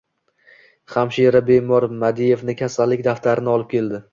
Hamshira bemor Madievni kasallik daftarini olib keldi.